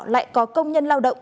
lại có công nhân lao động